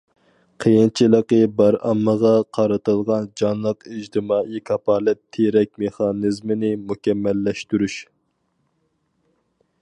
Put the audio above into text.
قىيىنچىلىقى بار ئاممىغا قارىتىلغان جانلىق ئىجتىمائىي كاپالەت تىرەك مېخانىزمىنى مۇكەممەللەشتۈرۈش.